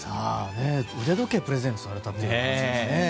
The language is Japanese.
腕時計をプレゼントされたそうですね。